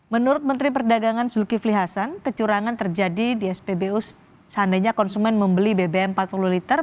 menurut menteri perdagangan zulkifli hasan kecurangan terjadi di spbu seandainya konsumen membeli bbm empat puluh liter